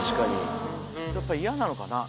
やっぱ嫌なのかな。